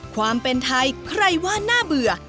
ความเป็นไทยใครว่าน่าเบื่อ